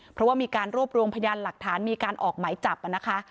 เพราะว่ามีการรวบรวมพยานหลักฐานมีการออกหมายจับนะคะ